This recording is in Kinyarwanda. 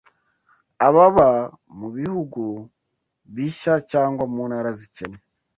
Ababa mu bihugu bishya cyangwa mu ntara zikennye